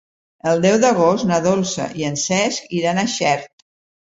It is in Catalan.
El deu d'agost na Dolça i en Cesc iran a Xert.